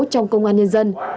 trong công an nhân dân